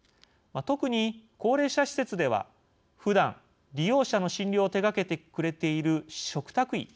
特に高齢者施設ではふだん利用者の診療を手がけてくれている嘱託医。